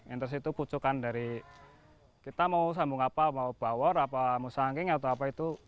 entres itu kucukan dari kita mau sambung apa mau bawor mau sangking atau apa itu